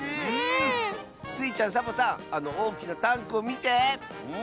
スイちゃんサボさんあのおおきなタンクをみて！